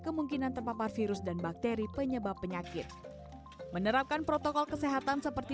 kemungkinan terpapar virus dan bakteri penyebab penyakit menerapkan protokol kesehatan seperti